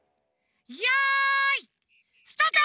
よいスタート！